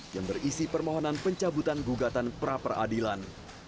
yang berisi permohonan pencabutan gugatan pra peradilan